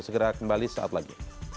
segera kembali saat lagi